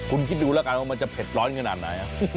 คุณคิดดูแล้วกันว่ามันจะเผ็ดร้อนขนาดไหน